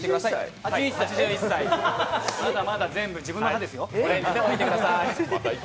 まだまだ全部、自分の歯ですよ。